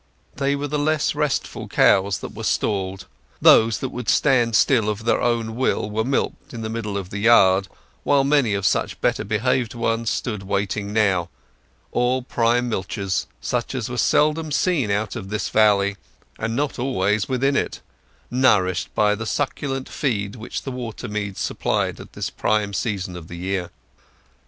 They were the less restful cows that were stalled. Those that would stand still of their own will were milked in the middle of the yard, where many of such better behaved ones stood waiting now—all prime milchers, such as were seldom seen out of this valley, and not always within it; nourished by the succulent feed which the water meads supplied at this prime season of the year.